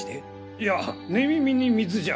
いや寝耳に水じゃ。